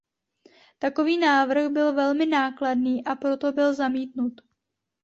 Takový návrh byl velmi nákladný a proto byl zamítnut.